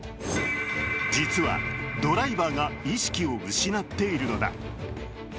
実は、ドライバーが意識を失っているのだ。